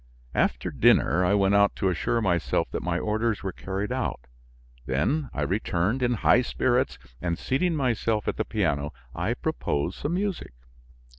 After dinner, I went out to assure myself that my orders were carried out; then I returned in high spirits, and seating myself at the piano, I proposed some music.